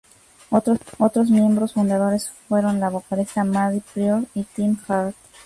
Otros miembros fundadores fueron la vocalista Maddy Prior y Tim Hart.